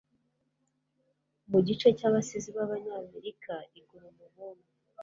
mu gice cy'abasizi b'abanyamerika, igura umubumbe